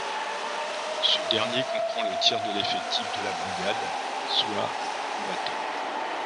Ce dernier comprend le tiers de l'effectif de la brigade soit combattants.